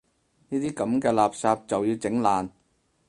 呢啲噉嘅垃圾就要整爛